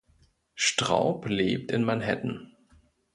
Straub lebt in Manhattan.